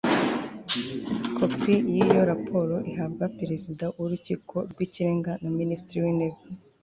kopi y'iyo raporo ihabwa perezida w'urukiko rw'ikirenga na minisitiri w'intebe